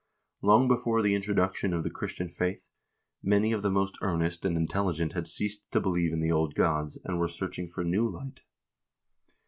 Long before the introduction of the Christian faith, many of the most earnest and intelligent had ceased to believe in the old gods, and were searching for new light.